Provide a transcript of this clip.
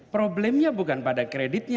problemnya bukan pada kreditnya